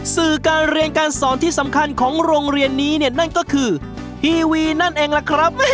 สื่อการเรียนการสอนที่สำคัญของโรงเรียนนี้เนี่ยนั่นก็คือทีวีนั่นเองล่ะครับ